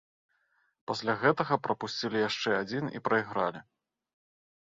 Пасля гэтага прапусцілі яшчэ адзін і прайгралі.